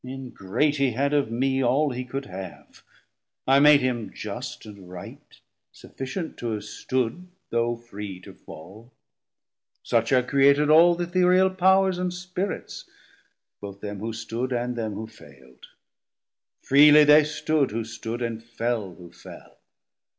ingrate, he had of mee All he could have; I made him just and right, Sufficient to have stood, though free to fall. Such I created all th' Ethereal Powers 100 And Spirits, both them who stood & them who faild; Freely they stood who stood, and fell who fell.